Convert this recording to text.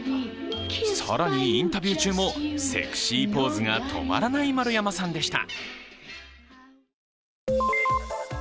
更にインタビュー中もセクシーポーズが止まらない丸山さんでした。